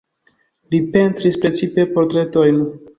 Li pentris precipe portretojn.